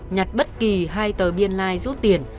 nhặt bất kỳ hai tờ biên lai rút tiền